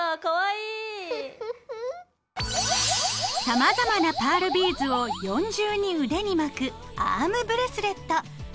さまざまなパールビーズを４重に腕に巻くアームブレスレット。